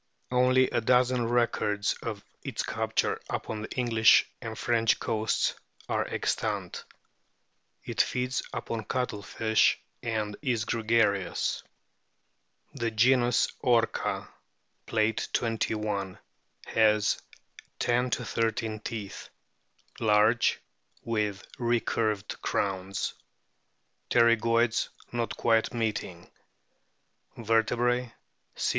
Only a dozen records of its capture upon the English and French coasts are extant. It feeds upon cuttle fish and is gregarious. The genus ORCA* (Plate XXI.) has 10 13 teeth, large, with recurved crowns. Pterygoids not quite meeting. Vertebrae: C.